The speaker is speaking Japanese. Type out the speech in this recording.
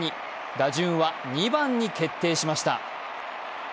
打順は２番に決定しました。